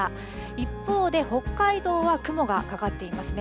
一方で、北海道は雲がかかっていますね。